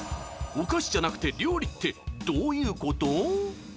お菓子じゃなくて料理って、どういうこと？